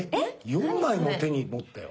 ４枚も手に持ったよ。